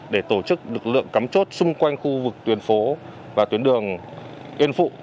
để tổ chức lực lượng cắm chốt xung quanh khu vực tuyển phố và tuyển đường yên phụ